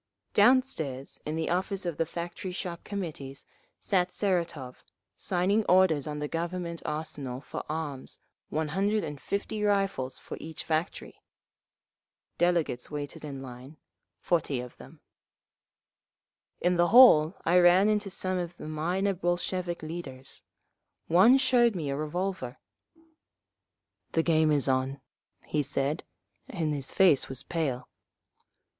Downstairs in the office of the Factory Shop Committees sat Seratov, signing orders on the Government Arsenal for arms—one hundred and fifty rifles for each factory…. Delegates waited in line, forty of them…. In the hall I ran into some of the minor Bolshevik leaders. One showed me a revolver. "The game is on," he said, and his face was pale.